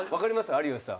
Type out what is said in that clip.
有吉さん。